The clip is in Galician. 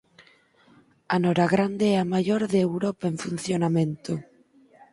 A Nora Grande é a maior de Europa en funcionamento.